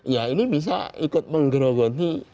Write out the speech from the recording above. ya ini bisa ikut menggerogoti